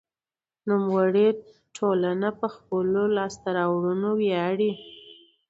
نوموړې ټولنه په خپلو لاسته راوړنو ویاړي.